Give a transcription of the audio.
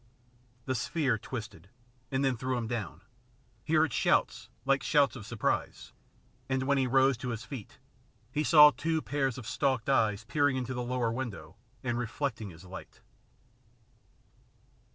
The sphere twisted, and then threw him down ; he heard shouts like shouts of surprise, and when he rose to his feet, he saw two pairs of stalked eyes peering into the lower window and reflecting his light.